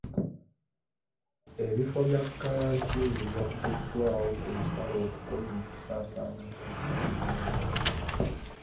Ebifo bya kkalantiini byagguddwawo ku nsalo okukomya okusaasaana kw'akawuka.